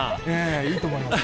いいと思いますよ。